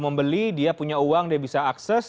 membeli dia punya uang dia bisa akses